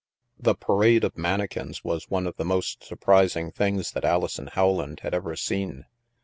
The parade of mannequins was one of the most surprising things that Alison Rowland had ever seen.